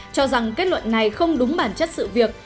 cho rằng kết luận này không đúng bản chất sự việc